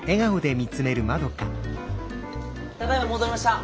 ただいま戻りました。